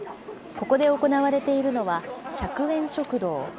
ここで行われているのは、１００円食堂。